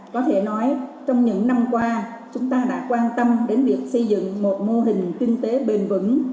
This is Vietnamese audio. có thể nói trong những năm qua chúng ta đã quan tâm đến việc xây dựng một mô hình kinh tế bền vững